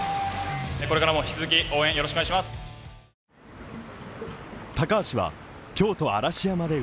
これからも引き続き応援よろしくお願いいたします。